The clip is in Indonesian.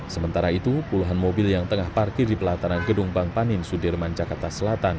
sementara itu puluhan mobil yang tengah parkir di pelataran gedung bang panin sudirman jakarta selatan